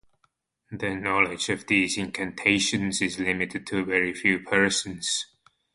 The knowledge of these incantations is limited to very few persons.